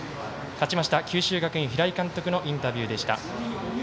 勝ちました、九州学院平井監督のインタビューでした。